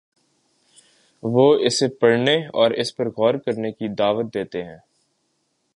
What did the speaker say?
وہ اسے پڑھنے اور اس پر غور کرنے کی دعوت دیتے ہیں۔